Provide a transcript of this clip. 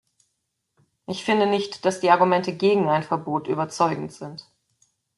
Ich finde nicht, dass die Argumente gegen ein Verbot überzeugend sind.